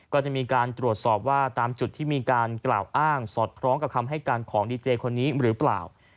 ก็จะมีการตรวจสอบว่าตามจุดที่มีการกล่าวอ้างสอดคล้องกับคำให้การของดีเจคนนี้หรือเปล่า